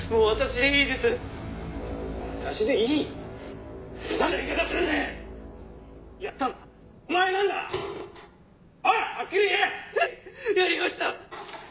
はいやりました。